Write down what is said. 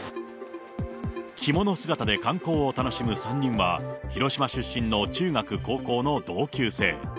着物姿で観光を楽しむ３人は、広島出身の中学、高校の同級生。